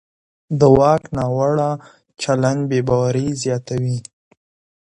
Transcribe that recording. د واک ناوړه چلند بې باوري زیاتوي